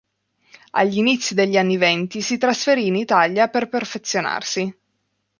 Agli inizi degli anni venti si trasferì in Italia per perfezionarsi.